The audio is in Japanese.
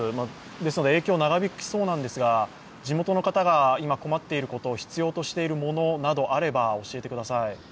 ですので、影響長引きそうなんですが、地元の方が今一番困っていること必要としているものなどあれば教えてください。